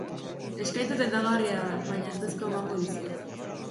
Eskaintza tentagarria da baina ezezkoa emango dizut.